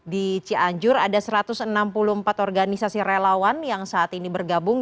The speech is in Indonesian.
di cianjur ada satu ratus enam puluh empat organisasi relawan yang saat ini bergabung